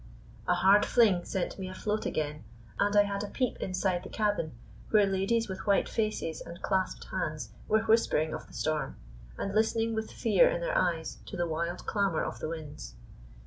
A hard fling sent me afloat again, and I had a peep inside the cabin, where ladies with white faces and clasped hands were whispering of the storm, and listening with fear in their eyes to the wild clamor of the winds.